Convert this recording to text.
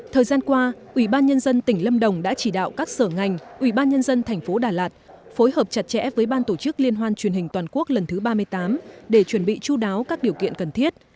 thời gian qua ủy ban nhân dân tỉnh lâm đồng đã chỉ đạo các sở ngành ủy ban nhân dân thành phố đà lạt phối hợp chặt chẽ với ban tổ chức liên hoan truyền hình toàn quốc lần thứ ba mươi tám để chuẩn bị chú đáo các điều kiện cần thiết